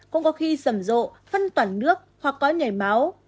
cũng có khi rầm rộ phân toàn nước hoặc có nhảy máu